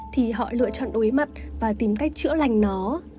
thì họ lựa chọn đối mặt và tìm cách chữa lành nó